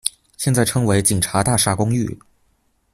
现在称为警察大厦公寓。